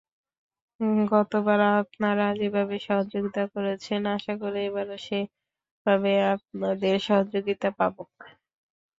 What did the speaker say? গতবার আপনারা যেভাবে সহযোগিতা করেছেন, আশা করি এবারও সেভাবে আপনাদের সহযোগিতা পাব।